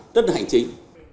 rất là hành chính